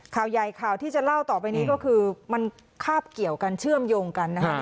ข่าวใหญ่ข่าวที่จะเล่าต่อไปนี้ก็คือมันคาบเกี่ยวกันเชื่อมโยงกันนะครับ